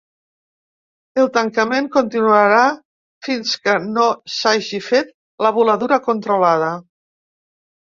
El tancament continuarà fins que no s’hagi fet la voladura controlada.